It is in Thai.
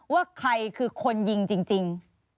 ว่าใครคือคนยิงจริง